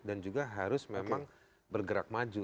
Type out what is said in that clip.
dan juga harus memang bergerak maju